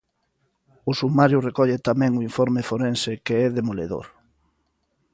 O sumario recolle tamén o informe forense que é demoledor.